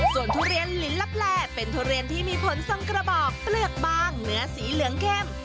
ส่วนทุเรียนลินลับแลเป็นทุเรียนที่มีผลทรงกระบอกเปลือกบางเนื้อสีเหลืองเข้ม